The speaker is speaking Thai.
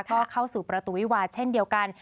ก็เข้าสู่ประตูวิวาเช่นเดียวกัน